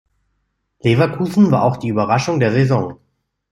Leverkusen war auch die Überraschung der Saison.